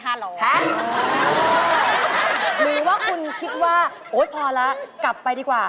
หรือว่าคุณคิดว่าโอ๊ยพอแล้วกลับไปดีกว่า